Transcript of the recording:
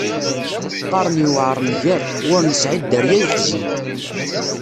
Qqaren yewεer nnger, w’ur nesεi dderya yeḥzen.